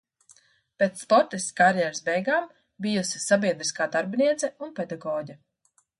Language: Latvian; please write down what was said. Pēc sportistes karjeras beigām bijusi sabiedriskā darbiniece un pedagoģe.